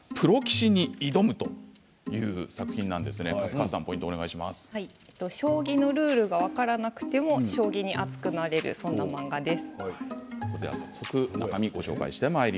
将棋経験がない中学生が将棋のルールが分からなくても将棋に熱くなれるそんな漫画です。